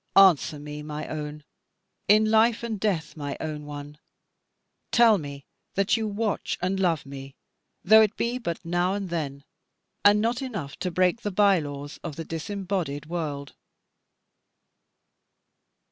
Answer me, my own, in life and death my own one; tell me that you watch and love me, though it be but now and then, and not enough to break the by laws of the disembodied world.